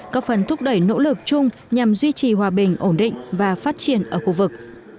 có phần thúc đẩy nỗ lực chung nhằm duy trì hòa bình ổn định và phát triển ở khu vực